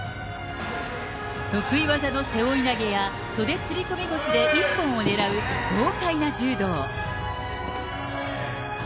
得意技の背負い投げや袖釣り込み腰で一本を狙う、豪快な柔道。